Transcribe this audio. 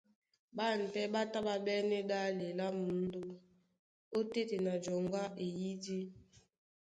Ɓân pɛ́ ɓá tá ɓá ɓɛ́nɛ́ ɗále lá mǔndó óteten a joŋgo a eyídí.